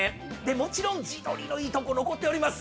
もちろん地鶏のいいとこ残っております。